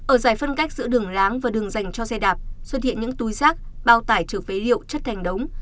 ở giải phân cách giữa đường láng và đường dành cho xe đạp xuất hiện những túi rác bao tải trở phế liệu chất thành đống